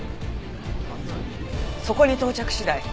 そこに到着次第